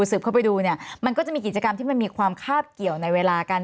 สืบเข้าไปดูเนี่ยมันก็จะมีกิจกรรมที่มันมีความคาบเกี่ยวในเวลากัน